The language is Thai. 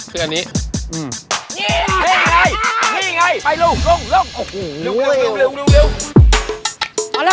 คืออันนี้